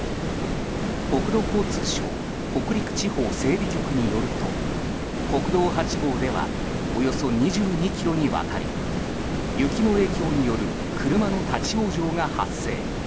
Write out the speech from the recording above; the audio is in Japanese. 国土交通省北陸地方整備局によると国道８号ではおよそ２２ｋｍにわたり雪の影響による車の立ち往生が発生。